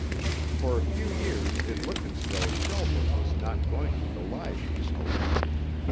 For a few years it looked as though Shelburne was not going to belie these hopes.